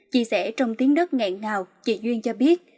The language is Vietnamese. chia sẻ trong tiếng đất ngạn ngào chị duyên cho biết